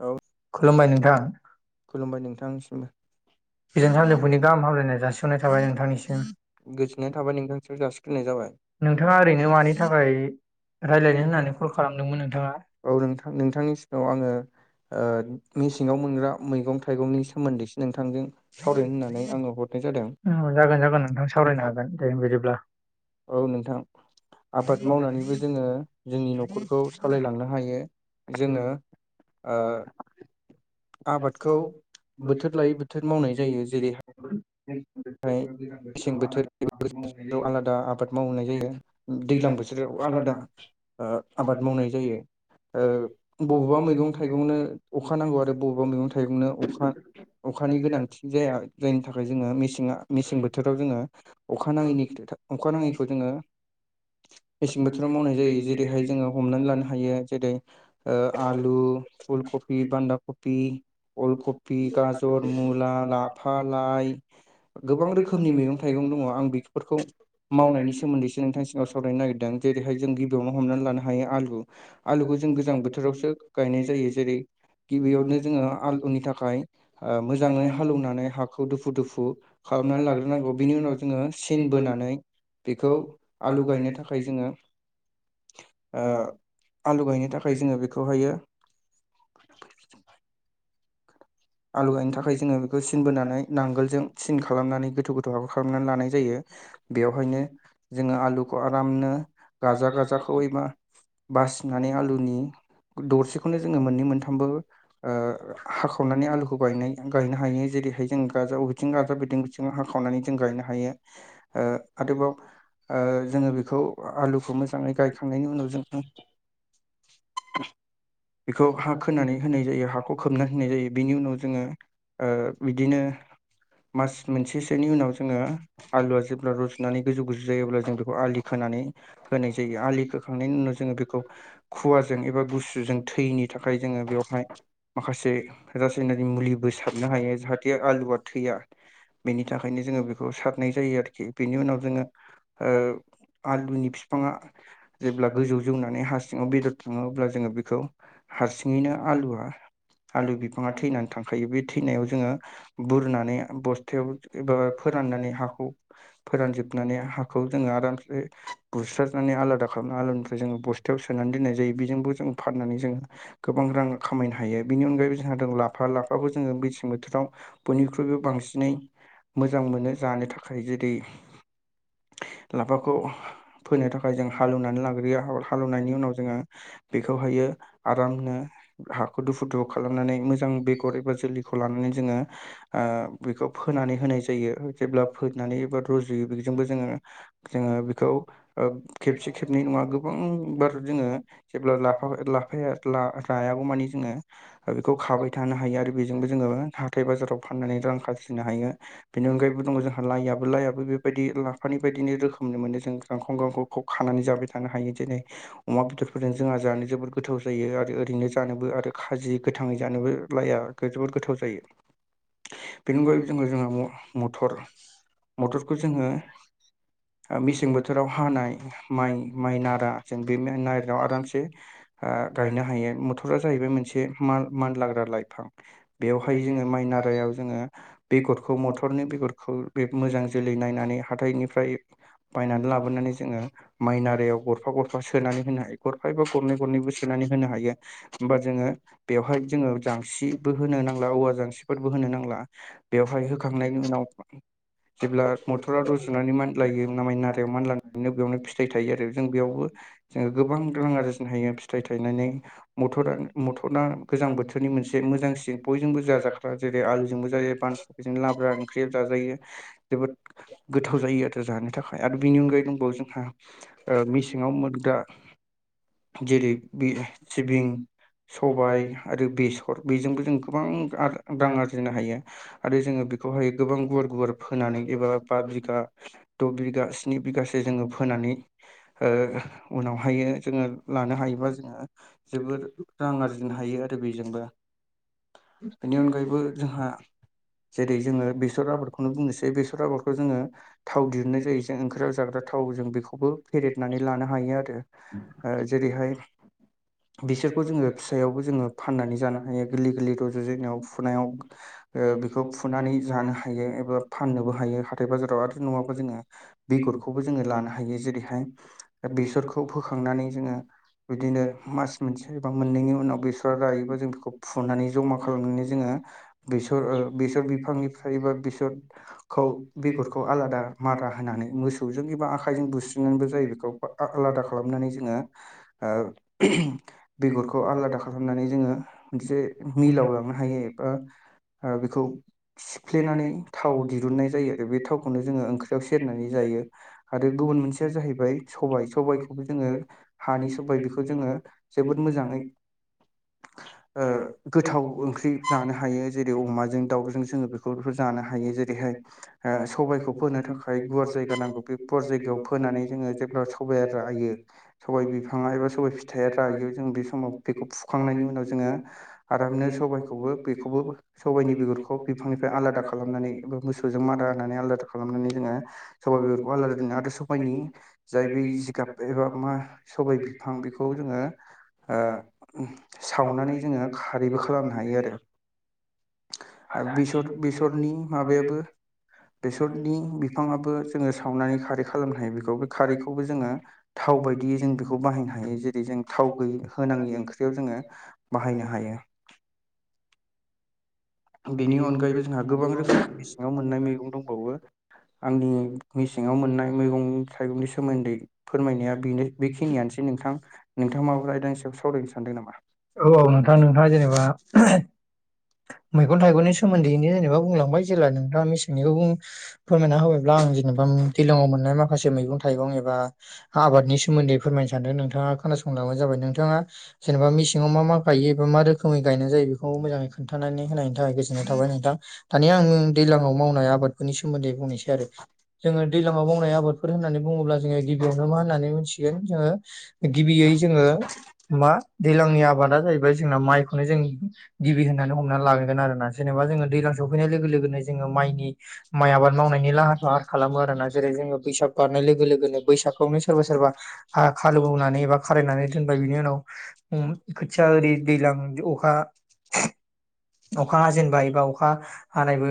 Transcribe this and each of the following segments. औ खुलुमबाय नोंथां। खुलुमबाय नोंथांनिसिम गोजोन सानजौफुनि गाहाम हामलायनाय जासिननाय थाबाय नोंथांनिसिम। [unintelligible] नाय जाबाय। नोंथाङा ओरैनो मानि थाखाय रायलायनो होननानै कल खालामदोंमोन नोंथाङा। औ नोंथां नोंथांनि सिगाव आङो ओ मेसेङाव मोनग्रा मैगं थाइगंनि सोमोन्दैसो नोंथांजों सावरायनो होननानै आङो हरनाय जादों। जागोन जागोन नोंथां सावरायनो हागोन दे बिदिब्ला। औ नोंथां। आबाद मावनानैबो जोङो जोंनि न'खरखौ सालायलांनो हायो जोङो आबादखौ बोथोर लायै बोथोर मावनाय जायो जेरैहाय [inaudible] ओ मेसें बोथोर बोोोराव आलादा आबाद मावनाय जायो। दैज्लां बोथोराव आलादा आबाद मावनाय जायो। ओ बबेबा मैगं थाइगंनो अखा नांगौ आरो बबेबा मैगं थाइगंनो अखा अखानि गोनांथि जाया जायनि थाखाय जोङो मेसें मेसें बोथोराव जोङो अखा नाङैनि अखा नाङैखौ जोङो मेसें बोथोराव मावनाय जायो जेरैहाय जोङो हमनानै लानो हायो जेरै आलु फुल कबि कबि बान्दा कबि अल कबि गाजर मुला लाफा लाइ गोबां रोखोमनि मैगं थाइगं दङ आं बेफोरखौ मावनायनि सोमोन्दैसो नोंथां सिगांयाव सावरायनो नागिरदों जेरैहाय जों गिबियावनो हमनानै लानो हायो आलु आलुखौ जों गोजां बोथोरावसो गायनाय जायो जेरै गिबियावनो जोङो आलुनि थाखाय मोजाङै हालौवनानै हाखौ दुफु दुफु खालामनानै लाग्रोनांगौ बिनि उनाव जोङो सिन बोनानै बेखौ आलु गायनो थाखाय थाखाय जोङो आलु गायनो थाखाय जोङो बेखौहायो आलु गायनो थाखाय जोङो बेखौ सिनबोनानै नांगोलजों सिन खालामनानै गोथौ गोथौ आखौ खालामनानै लानाय जायो। बेवहायनो जोङो आलुखौ आरामनो गाजा गाजाखौ एबा बासिनानै आलुनि दरसेखौनो जोङो मोननै मोनथामबो हाखावनानै आलु गायनाय गायनो हायो जेरैहाय जों गाज बिथिं गाजा बिथिं बिथिं हाखावनानै जों गायनो हायो। आरोबाव ओ जोङो बेखौ आलुखौ मोजाङै गायखांनायनि उनाव जों [inaudible] बेखौ हा खोनानै होनाय जायो हाखौ खोबनानै होनाय जायो बिनि उनाव जोङो बिदिनो मास मोनसेसोनि उनाव जोङो आलुआ जेब्ला रजुनानै गोजौ गोजौ जायोब्ला जों बेखौ आलि खोनानै होनाय जायो आलि होखांनायनि उनाव जोङो बेखौ खुवाजों एबा गुसुजों थै यैनि थाखाय जोङो बेवहाय माखासे जोंना मुलिबो सारनो हायो जाहाथे आलुआ थैया। बेनि थाखायनो जोङो बेखौ सारनाय जायो आरोखि बेनि उनाव जोङो आलुनि बिफाङा जेब्ला गोजौ जौनानै हा सिङाव बेदर थाङो अब्ला जोङो हारसिङैनो आलुआ आलु बिफां थैनानै थांखायो बे थैनायाव जोङो बुरनानै बस्थायाव एबा फोराननानै हाखौ फोरानजोबनानै हाखौ जोङो आरामसे बुस्रारनानै आलादा खालामनानै आलुनिफ्राय जोङो बस्थु खाथाययाव सोनानै दोननाय जायो बेजोंबो जों फाननानै जों गोबां रां खामायनो हायो बिनि अनगायैबो जोंहा दं लाब बा लाफाखौ जोङो मेसें बोथोराव बयनिख्रुइबो बांसिनै मोजां मोनो जानो थाखाय जेरै लाफाखौ फोनो थाखाय जों हालेवनानै लाग्रोयो हालेवनायनि उनाव जोङो बेखौहायो आरामनो हाखौ दुफु दुफु खालामनानै मोजां बेगर एबा जोलैखौ लानानै जोङो ओ बेखौ फोनानै होनाय जायो जेब्ला फोनानै एबा रुजुयो बेजोंबो जोङो जोङो बेखौ ओ खेबसे खेबनै नङा गोबां बार जोङो जेब्ला लाफायो ला रायागौ मानि जोङो बेखौ खाबाय थानो हायो आरो बेजोंबो जोङो हाथाय बाजाराव फाननानै रां खज्रिनो हायो। बेनि अनगायैबो दङ जोंहा लाइयाबो लाइाबो बेबायदि लाफानि बायदिनो रोखोमनो मोनो जों गांखं गांखं खब खानानै जाबाय थानो हायो जेरै अमा बेदरफोरजों जोंहा जानो जोबोद गोथाव जायो आरो ओरैनो जानोबो आरो खाजि गोथाङै जानोबो लाया जोबोद गोथाव जायो। बेनि अनगायैबो जोङो जोहा मटर मटरखौ जोङो मेसें बोथोराव हानाय माइ माइ नारा जों बे नाराव आरामसे ओ गायनो हायो मथरा जाहैबाय मोनसे म मान लाग्रा लाइ फां बेवहाय जोङो माइनारायाव जोङो बेगरखौ मथरनि बेगरखौ बे मोजां जोलै नायनानै हाथाइनिफ्राय बायनानै लाबोनानै जोङो माइनारियाव गरफा गरफा सोनानै होनो हायो गरफा एबा गर नैबो सोनानै होनो हायो होमबा जोङो बेयावहाय जों जांसिबो होनो नांला औवा जांसिफोरबो होनो नांला बेवहाय होखांनायनि उनाव जेब्ला मथरा रुजुनानै मानलायो नारायाव मानलां बेयावनो फिथाइ थायो आरो जों बेयावबो जो गोबां रां नोहायो फिथाइ थायनानै मथरानो मथरा गोजां बोथोर नि मोनसे मोजांसिन बयजोंबो जाजाख्रा जेरै आलुजोंबो जायो बानसजों लाब्रा ओंख्रिया जाजायो। जोबोद गोथाव जायो आरो जानो थाखाय आरो बिनि अनगायैबो बो जोंहा मेसेङाव मोनग्रा जेरै बि सिबिं सबाय आरो बेसर बेजोंबो जों गोबां आर रां आरजिनो हायो आरो जोङो बेखौहायो गोबां गुवार गुवार फोनानै एबा बा बिगा द' बिगा स्नि बिगासो जोङो फोनानै ओ उनावहायो जोङो लानो हायोबा जोङो जोबोर रां आरजिनो हायो आरो बेजोंबो बेनि अनगायैबो जोंहा जेरै जोङो बेसर आबादखौनो बुंनोसै बेसर आबादखौ जोङो थाव दिहुननाय जायो। ओंख्रि जाग्रा थाव जों बेखौबो फेरेदनानै लानो हायो आरो जेरैहाय [unintelligible] फाननानै जानो हायो गोरलै गोरलै रज'जेननायाव फुनायाव ओ बेखौ फुनानै जानो हायो एबा फाननोबो हायो हाथाय बाजाराव आरो नङाबा जोङो बेगरखौबो जोङो लानो हायो जेरैहाय दा बेसरखौ बोखांनानै जोङो बिदिनो मास मोनसे एबा मोननैनि उनाव बेर रायोबा जों बेखौ फुनानै जमा खालामनानै जोङो बेसर बेसर बिफांनिफ्रायबा बेसर खौ बेगरखौ आलादा मारा होनानै मोसौजों एबा आखाइजों बुस्रिनानैबो जायो बेखौ आलादा खालामनानै जोङो ऐ बेगरखौ आलादा खालाम नानै जोङो मोनसे मिलाव लांनो हायो एबा ओ बेखौ सिफ्लेनानै थाव दिरुननाय जायो आरो बे थावखौनो जोङो ओंख्रियाव सेरनानै जायो। आरो गुबुन मोनसेया जाहैबाय सबाय सबायाइखौबो जोङो हानि सबाय बेखौ जोङो जोबोद मोजाङै ओ गोथाव ओंख्रि जानो हायो जेरै अमाजों दाावजों जोङो बेखौफोरखौ जानो हायो जेरैहाय ओ सबाइखौ फोनो थाखाय गुवार जायगा नांगौ बे गुवार जायगायाव फोनानै जोङो जेब्ला सब रायो सबायाइ बिफाङा एबा सबाय फिथाइया रायो जों बे समाव बेखौ फुखांनायनि उनाव जोङो आरामनो सबखौबो बेखौबो सबायाइनि बेगर खौ बिफांनिफ्राय आलादा खालामनानै बा मोसौजों मारा होनानै आलादा खालामनानै जोङो सबाय बेफोरखौ आलादा दोनो आरो सबायाइनि जाय बे जिगाब एबा मा सबाय बिफां बेखौ जोङो ओ सावनानै जोङो खारैबो खालामनो हायो आरो आरो बेसर बेसरनि माबायाबो बेसरनि बिफाङाबो जोङो सावनानै खारै खालामनो हायो बेखौ बे खारैखौबो जोङो थाव बायदि [unintelligible] खौ जोङो बाहायनो हायो। दा बिनि अनगायैबो जोंहा गोबां माबा मोननानै। आंओ मेसेङाव दाखलैबावैसो [inaudible] औ औ नोंथां नोंथाङा जेनेबा मैगं थायगंनि सोमोन्दैनो जेनेबा बुंलांबाय जेब्ला नोंथाङा मेसेंनिखौ फोरमायना होबाय। ब्ला आं जेनेबा दैलाङाव मोननाय माखासे मैगं थाइगं एबा आबादनि सोमोनदै फोरमायनो सानदों नोंथाङा खोनासंलबानो जाबाय नोंथाङा जेनेबा मेसेङाव मा मा गायो बा मा रोखोमै गायनाय जायो बेखौबो मोजाङै खोनन्थानायनि होनायनि थाखाय गोजोननाय थाबाय नोंथां दानिया आं दैज्लाङाव मावनाय आबादफोरनि सोमोन्दै बुंनोसै आरो। जोङो दैलाङाव मावनाय आबादफोर होननानै बुङोब्ला जोङो गिबियावनो मा होननानै मोनथिगोन जोङो गिबियै जोङो मा दैज्लांनि आबादा जाहैबाय जोंना माइखौनो जों गिबि होननानै हमना लागोन आरोना जेनेबा जोङो दैज्लां सौफैनाय लोगो लोगोनो जोङो माइनि माइ आबाद मावनायनि राहाखौ आं खालामो आर ना जेरै जोङो बैसाग बारनाय लोगो लोगोनो बैसागखौनो सोरबा सोरबा खालौनानै एबा खारायनानै दोनबाय बिनि उनाव खोथिया आरि दैलाां अखा अखा हाजेनबा एबा अखा हानायबो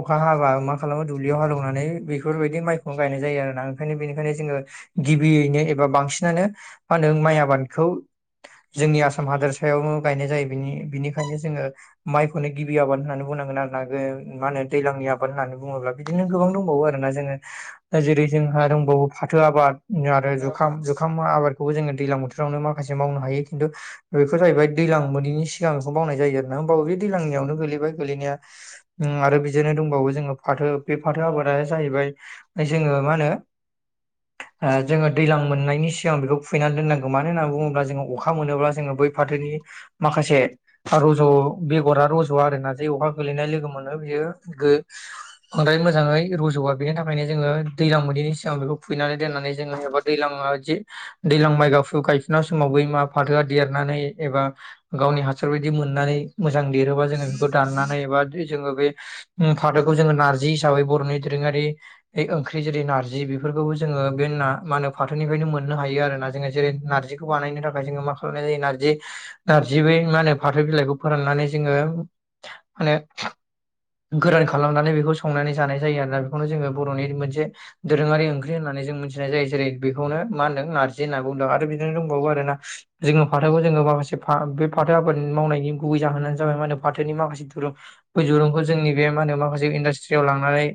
अखा हाबा मा खालामो दुब्लियाव हालेवनानै बे बेफोरबायदि माइखौनो गायनाय जायो आरोोना ओंखायनो बेनिखायनो जोङो गिबियैनो एबा बांसिनानो मा होनो माइ आबादखौ जोंनि आसाम हादोर सायावनो गायनाय जायो बिनि बिनिखायनो जोङो मायखौनो गिबि आबाद होननानै बुंनांगोन आरोना। मा होनो दैलांनि आबाद होननानै बुङोब्ला बिदिनो गोबां दंबावो आरोना जोङो दा जेरै जोंहा दंबावो फाथो आबाद आरो जुखाम जुखाम आबाद। खौबो जोङो दैलां बोथोरावनो माखासे मावनो हायो खिन्थु बेफोर जाहैबाय दैलां मोनोैनि सिगां बेखौ मावनाय जायो आरो। ना होमबावो बे दैलांनियावनो गोलैबाय गोलैनाया। उम आरो बिदिनो दंबावो जोङो फाथो बे फाथो आबादा जाहैबाय जोङो मा होनो ओ जोङो दैजां मोननायनि सिगां बेखौ खुहैनानै दोननांगौ मानो होननानै बुङोब्ला जोङो अखा मोनोबा जोङो बै फाथोनि माखासे हार'ज' गरा रज'आ आरोना जे अखा गोलैनाय लोगो मोनो बियो गो बांद्राय मोजाङै रज'आ। बेनि थाखायनो जोङो दैजां मोदैनि सिगां बेखौ फैनानै दोननानै जोङो एबा दैलां आरोखि दैलां मायगाबखौ गाय ना समाव बैमा फाथोआ देरनानै एबा गावनि हासार बायदि मोननानै मोजां देरहोबा जोङो बेखौ दाननानै एबा जोङो बे उम फाथोखौ जोङो नार हैनि दोरो बेफोरखौबो जोङो बे ना होनो फाथोनिफ्रायनो मोननो हायो आरोना जोङो जेरै नार्जिखौ बानायनो थाखाय जोङो माखासे हनै नारजि। नार्जि बै मा होनो फाथो बिलाइखौ फोराननानै जोङो माने गोरान खालामनानै बेखौ संनानै जानाय जायो आरोना बेखौनो जोङो बर'नि मोनसे दोरोङारि ओंख्रि नै होननानै जों मिथिनाय जायो जेरै बेखौनो मा होन्दों नारजि होनना बुंदों आरो बिदिनो दंबावो आरोना। जोङो फाथोखौ जोङो माखासे बे फाथो आबाद मावनायनि गुबै जाहोनानो जाबाय मा होनो फाथोनि माखासे दुरुं बे दुरुंखौ जोंनि बे म होन माखासे इनदस्रि याव लांनानै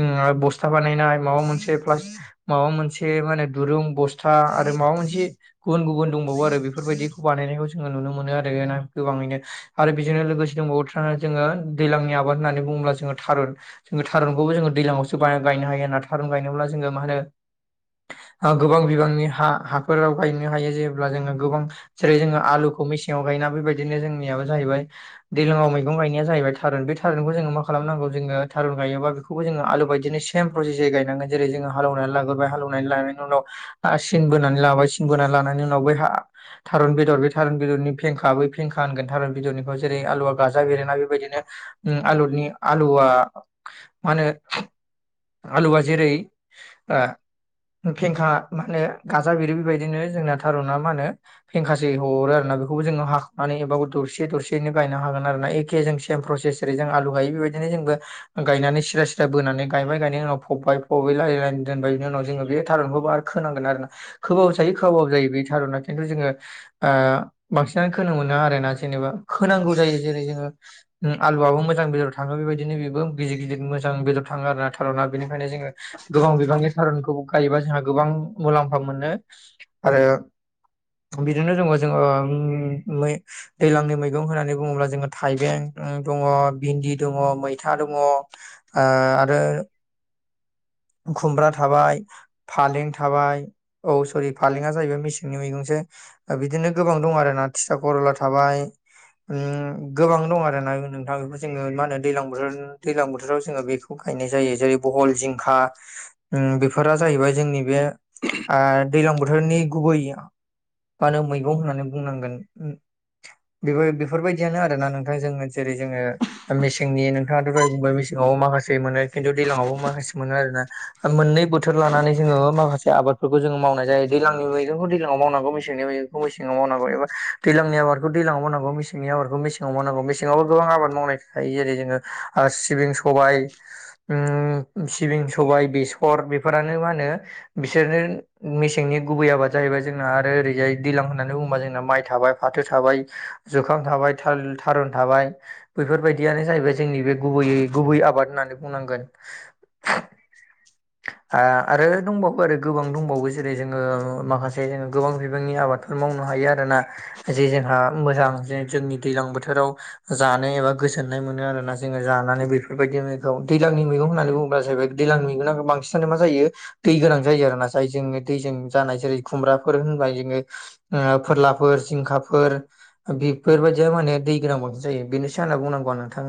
उम बस्था बानायनाय मा मोनसे प्लास माबा मोनसे माने दुरुं बस था आरो माबा मोनसे गुबुन गुबुन दंबावो आरो बेफोरबायदिखौ बानायनायखौ जोङो नुनो मोनो आरो ना गोबाङैनो आरो बेजोंनो लोगोसे दंबावो थाना जोङो दैलांनि आबाद होननानै बुङोब्ला जोङो थारुन जोङो थारुनखौबो जोङो दैलांआवसो गायनो हायो होना थारुन गायनोब्ला जोङो मा होनो गोबां बिबांनि हा हाफोराव गायनो हायो जेब्ला जोङो गोबां जेरै जोङो आलुखौ मेसेङाव गायोना बेबायदिनो जों नियाबो जाहैबाय दैलाङाव मैगं गायनाया जाहैबाय थारुन बे थारुनखौ जोङो मा खालामनांगौ जोङो थारुन गायोबा बेखौबो जोङो आलु बायदिनो सेम प्रसेसै गायनांगोन। जेरै जोङो हालौवनानै लागोरबाय हालौनायनि लागोरनायनि उनाव आ सिन बोनानै लाबाय सिन बोना लानायनि उनाव बै हा थारुन बेदर बे थारुन बेदरनि फेंखा बै फेंखा होनगोन थारुन बेदरनिखौ जेरै आलुआ गाजा बेरोना बेबायदिनो उम आलुनि आलुआ मा होनो आलुआ जेरै आ ओ फेंखा मा होनो गाजा बिरो बेबायदिनो जोंना थारुना मा होनो फेंखासो हरो आरो ना। बेखौबो जोङो हाखावनानै एबा दरसे दरसे दिनो गायनो होगोन आरो एख जरै जों आलु गायो बेबायदिनो जेनेबा ओ गायनानै सिरा सिरा बोनानै गायबाय गायनायनि उनाव फबबाय फबै लारि लारि दोनबाय बिनि उनाव जोङो बे थारुनखौबो आरो खोनांगोन आरोना। खोबाबो जायो खोयाबाबो जायो बे थारुना खिन्थु जोङो आ बांसिनानो खोनो मोनो आरो ना, जेनेबा खोनांगौ जायो। जेरै जोङो उम आलुआबो मोजां बेदर थाङो बेबायदिनो बेबो गिदिर गिदिर मोजां बेदर थाङो आरो ना। थारुना बेनिखायनो जोङो गोबां बिबांनि थारुनखौ गायोबा जोंहा गोबां मुलामफा मोनो आरो बिदिनो जोंबो ओङो उम मै दैलांनि मैगं होननानै बुङोब्ला जोङो थायबें उम दङ, भिन्दि दङ, मैथा दङ। आ आरो खुमब्रा थाबाय फालें थाबाय औ सरि फालें जाहैबाय मेसेंनि मैगंसो। ओ बिदिनो गोबां दं आरो ना। थिथा ख'रला थाबाय। उम गोबां दं आरोना नोंथां। बेखौ जोङो मा होनो दैलां बोथोर दैलां बोथोराव जोङो बेखौ गायनाय जायो। जेरै बहल, जिं खा उम बेफोरा जाहैबाय जोंनि बे आ दैलां बोथोरनि गुबै मानो मैगं होननानै बुंनांगोन। उम बेबो बेफोरबायदियानो आरोना नोंथां। जों जेरै जोङो ओ मेसेंनि नोंथाङाथ' बुंबाय मेसेंआव माखासे मोनो खिन्थु दैलाङावबो माखासे मोनो आरो ना। ओ मोननै बोथोर लानानै जोङो माखासे आबादफोरखौ जोङो मावनाय जायो। दैज्लांनि बै जोंखौ दैलाङाव मावनांगौ मेसेंनि मैगंखौ मेसेङाव मावनांगौ एबा दैजांनि आबादखौ दैलाङाव मावनांगौ मेसेंनि आबादखौ मेसेङाव मावनांगौ मेसेङावबो गोबां आबाद मावनाय थायो। जेरै जोङो आ सिबिं, सबाय उम सिबिं बाय बेसर बेफोरानो मा होनो बिसोरनो मेसेंनि गुबै आबाद जाहैबाय जोंना आरो ओरैजाय दैलां होननानै बुङोबा जोंना माय थाबाय फाथो थाबाय जुखाम थाबाय थाल थारुन थाबाय। बेैफोरबायदियानो जाहैबाय जोंनि बे गुबैयै गुबै आबाद होननानै बुंनांगोन। [inaudible] आ आरो दंबाव फोर गोबां दंबावो। जेरै जोङो माखासे जोङो गोबां बिबांनि आबादफोर मावनो हायो आरोना। जे जोंहा मोजां जे जोंनि दैलां बोथोराव जानो एबा गोजोननाय मोनो आरोना जोङो जानानै बेफोरबायदि मैगं दैलांनि मैगं होननानै बुङोब्ला जाहैबाय दैलांनि [unintelligible] गोना बांसिनानो मा जायो दै गोनां जायो आरो ना। जाय जोङो दैजों जानाय जेरै खुमब्राफोर होनबाय जोङो आ फोरलाफोर जिंखाफोर ओ बेफोरबायदिया माहोनो ओ दै गोनां बांसिन जायो। बेनोसाना बुंनांगौ आं नोंथानो।